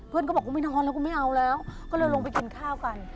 ก็บอกว่าไม่นอนแล้วกูไม่เอาแล้วก็เลยลงไปกินข้าวกัน